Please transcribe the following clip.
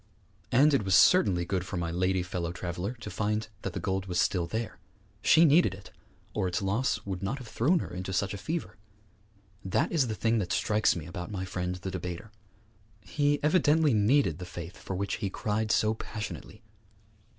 And it was certainly good for my lady fellow traveller to find that the gold was still there. She needed it, or its loss would not have thrown her into such a fever. That is the thing that strikes me about my friend the debater. He evidently needed the faith for which he cried so passionately.